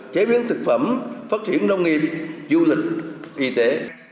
chế biến thực phẩm phát triển nông nghiệp du lịch y tế